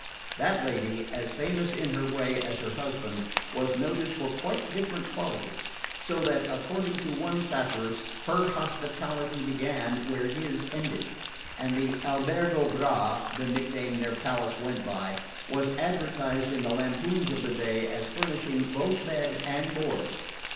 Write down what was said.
That lady, as famous in her way as her husband, was noted for quite different qualities; so that, according to one satirist, her hospitality began where his ended, and the Albergo Bra (the nickname their palace went by) was advertised in the lampoons of the day as furnishing both bed and board.